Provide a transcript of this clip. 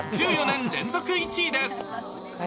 １４年連続１位です。